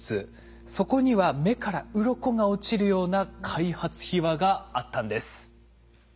そこには目からうろこが落ちるような開発秘話があったんです。